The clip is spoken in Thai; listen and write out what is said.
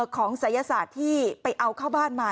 ศัยศาสตร์ที่ไปเอาเข้าบ้านมา